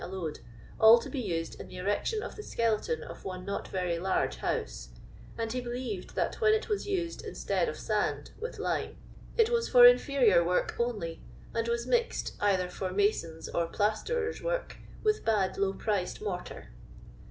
a load, all to be used in the erection of the skeleton of one not very large house; and he believed that when it was used instead of sand with lime, it was for inferior work only, and was mixed, either for masons' or plaster ers* work, with bad, low priced mortar.